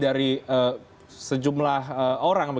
dari sejumlah orang